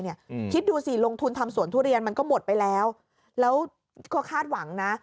คิดดูสิลงทุนทำสวนทุเรียนมันก็หมดไปแล้วแล้วก็คาดหวังนะ